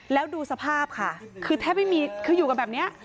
แล้วดูสภาพค่ะคือแทบไม่มีคืออยู่กันแบบนี้